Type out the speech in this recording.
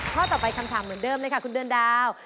ข้อต่อไปคำถามเหมือนเดิมเลยค่ะคุณเดือนดาว